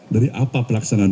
dari apa pelaksanaan